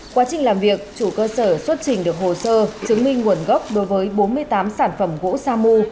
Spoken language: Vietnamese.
quá trình làm việc chủ cơ sở xuất trình được hồ sơ chứng minh nguồn gốc đối với bốn mươi tám sản phẩm gỗ sa mu